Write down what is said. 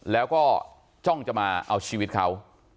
แล้วก็จ้องจะมาเอาชีวิตเขา